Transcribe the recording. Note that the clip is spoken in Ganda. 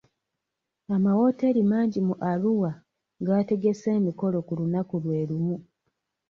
Amawoteeri mangi mu Arua gaategese emikolo ku lunaku lwe lumu.